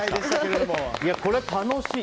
これ楽しい。